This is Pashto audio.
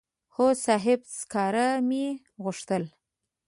هو صاحب سکاره مې غوښتل.